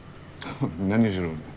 何しろ